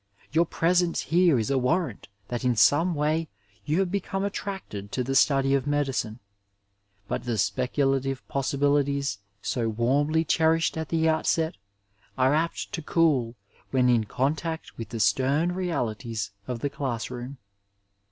Your presence here is a warrant that in some way you have become attracted to the study of medicine, but the speculative possibilities so warmly cherished at the outset are apt to cool when in contact with the stem realities of the class room.